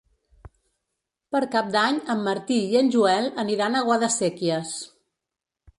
Per Cap d'Any en Martí i en Joel aniran a Guadasséquies.